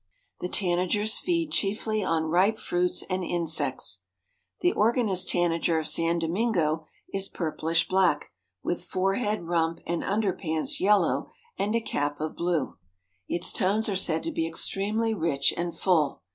The tanagers feed chiefly on ripe fruits and insects. The organist tanager of San Domingo is purplish black, with forehead, rump and underparts yellow, and a cap of blue. Its tones are said to be extremely rich and full.